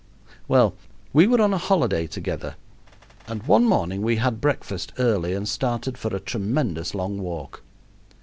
Well, we were on a holiday together, and one morning we had breakfast early and started for a tremendous long walk.